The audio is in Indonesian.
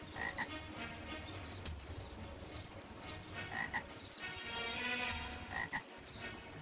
nah gitu dong